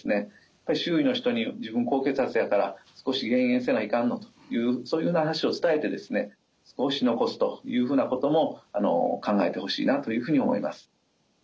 周囲の人に「自分高血圧やから少し減塩せないかんの」というそういうような話を伝えてですね少し残すというふうなことも考えてほしいなというふうに思います。